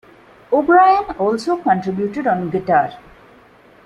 O'Brien also contributed on guitar.